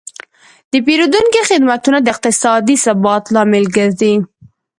د پیرودونکو خدمتونه د اقتصادي ثبات لامل ګرځي.